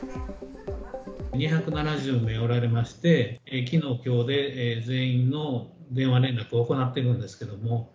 ２７０名おられまして、きのう、きょうで全員の電話連絡を行ってるんですけれども。